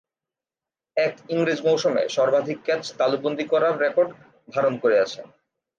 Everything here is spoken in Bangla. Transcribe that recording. এক ইংরেজ মৌসুমে সর্বাধিক ক্যাচ তালুবন্দী করার রেকর্ড ধারণ করে আছেন।